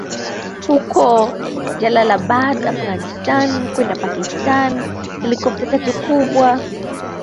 huko Jalalabad Afghanistan kwenda Pakistan Helikopta tatu kubwa